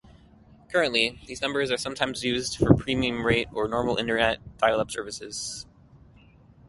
Currently these numbers are sometimes used for premium rate or normal Internet dial-up services.